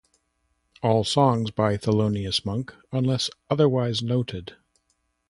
All songs by Thelonious Monk unless otherwise noted.